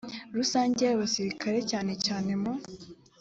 rusange y’abasirikare cyane cyane mu